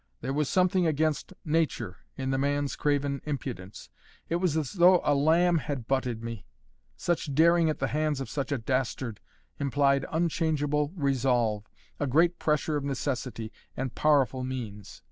There was something against nature in the man's craven impudence; it was as though a lamb had butted me; such daring at the hands of such a dastard, implied unchangeable resolve, a great pressure of necessity, and powerful means.